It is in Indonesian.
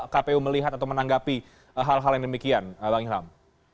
kpu melihat atau menanggapi hal hal yang demikian bang ilham